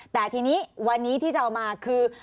แต่ทีนี้วันนี้ที่จะเอามาคือ